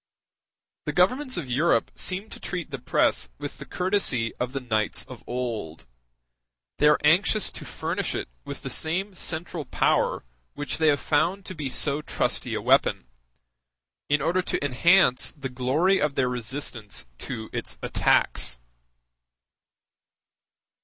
The Governments of Europe seem to treat the press with the courtesy of the knights of old; they are anxious to furnish it with the same central power which they have found to be so trusty a weapon, in order to enhance the glory of their resistance to its attacks.